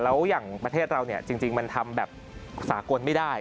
แล้วอย่างประเทศเราเนี่ยจริงมันทำแบบสากลไม่ได้